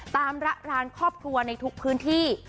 ระรานครอบครัวในทุกพื้นที่